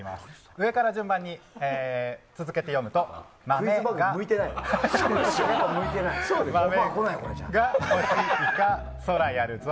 上から続けて読むと豆が欲しいか、そらやるぞ。